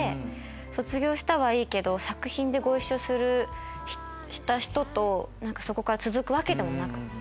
卒業したはいいけど作品でご一緒した人とそこから続くわけでもなくって。